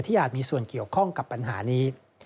อาจมีส่วนเกี่ยวข้องกับปัญหานี้